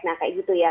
nah kayak gitu ya